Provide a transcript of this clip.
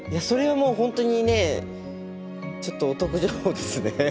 それはもう本当にねちょっとお得情報ですね。